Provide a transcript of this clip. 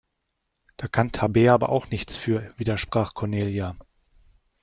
Da kann Tabea aber nichts für, widersprach Cornelia.